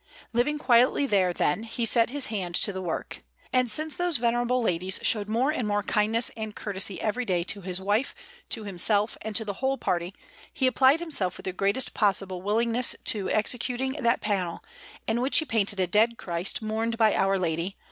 Living quietly there, then, he set his hand to the work. And since those venerable ladies showed more and more kindness and courtesy every day to his wife, to himself, and to the whole party, he applied himself with the greatest possible willingness to executing that panel, in which he painted a Dead Christ mourned by Our Lady, S.